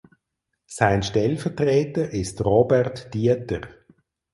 Sein Stellvertreter ist Robert Dieter.